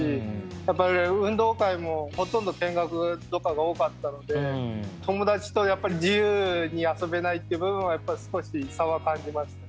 やっぱり運動会もほとんど見学とかが多かったので友達とやっぱり自由に遊べないっていう部分はやっぱり少し差は感じました。